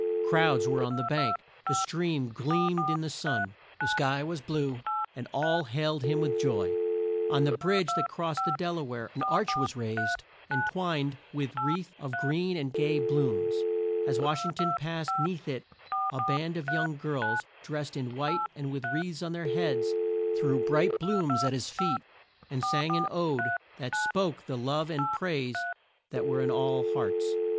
Crowds were on the bank, the stream gleamed in the sun, the sky was blue, and all hailed him with joy. On the bridge that crossed the Del a ware an arch was raised and twined with wreaths of green and gay blooms. As Wash ing ton passed 'neath it a band of young girls, drest in white and with wreaths on their heads, threw bright blooms at his feet, and sang an ode that spoke the love and praise that were in all hearts.